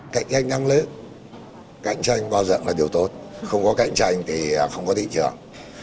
cạnh tranh năng lực cạnh tranh qua dạng là điều tốt không có cạnh tranh thì không có thị trường